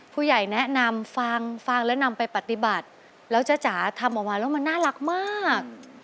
ผู้ใหญ่แนะนำฟังฟังแล้วนำไปปฏิบัติแล้วจ้าจ๋าทำออกมาแล้วมันน่ารักมาก